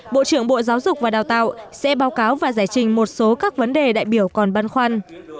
bộ trưởng bộ giáo dục và đào tạo sẽ báo cáo và giải trình một số các vấn đề đại biểu còn ban khoăn